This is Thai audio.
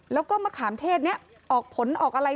สวัสดีคุณผู้ชายสวัสดีคุณผู้ชาย